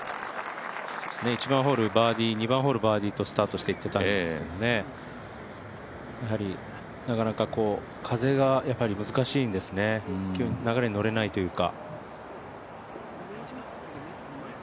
１番ホール、バーディー、２番ホール、バーディーとしたんですが、やはりなかなか風が難しいんですね、流れに乗れないというか。